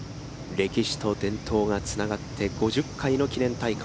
歴史と伝統がつながって５０回の記念大会。